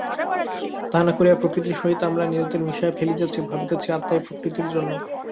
তাহা না করিয়া প্রকৃতির সহিত আমরা নিজেদের মিশাইয়া ফেলিতেছি, ভাবিতেছি আত্মাই প্রকৃতির জন্য।